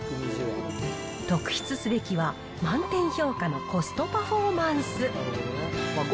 特筆すべきは、満点評価のコストパフォーマンス。